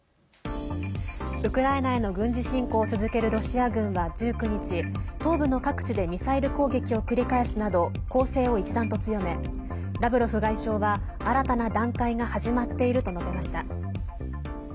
ウクライナへの軍事侵攻を続けるロシア軍は１９日、東部の各地でミサイル攻撃を繰り返すなど攻勢を一段と強めラブロフ外相は新たな段階が始まっていると述べました。